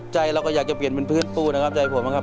ใจเราก็อยากจะเปลี่ยนเป็นพืชปูนะครับใจผมบ้างครับ